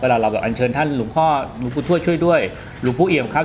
เวลาเราแบบอัญเชิญท่านหลุงพ่อหลุงผู้ช่วยด้วยหลุงผู้เอียมครับ